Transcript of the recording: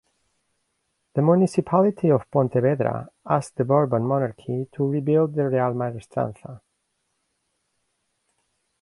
The municipality of Pontevedra asked the Bourbon monarchy to rebuild the Real Maestranza.